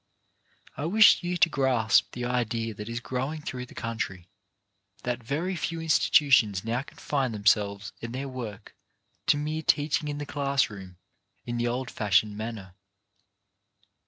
I wish you to grasp the idea that is growing through the country — that very few institutions now confine themselves and their work to mere teaching in the class room, in the old fashioned manner.